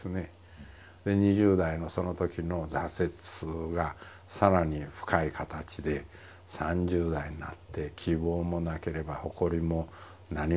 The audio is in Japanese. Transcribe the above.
で２０代のそのときの挫折が更に深い形で３０代になって希望もなければ誇りも何もないと。